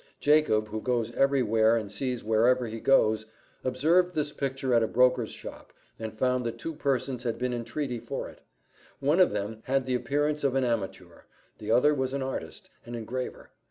Jacob, who goes every where, and sees wherever he goes, observed this picture at a broker's shop, and found that two persons had been in treaty for it. One of them had the appearance of an amateur, the other was an artist, an engraver.